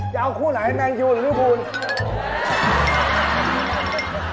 จะเอาคู่ไหนแม่งยูหรือลูกภูมิ